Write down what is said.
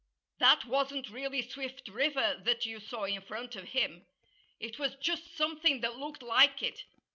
"That wasn't really Swift River that you saw in front of him. It was just something that looked like it....